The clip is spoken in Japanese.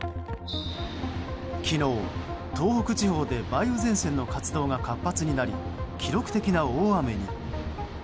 昨日、東北地方で梅雨前線の活動が活発になり記録的な大雨に。